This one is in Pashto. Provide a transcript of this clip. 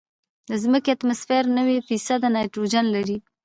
د ځمکې اتموسفیر نوي فیصده نایټروجن لري.